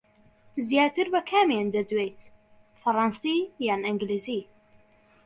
زیاتر بە کامیان دەدوێیت، فەڕەنسی یان ئینگلیزی؟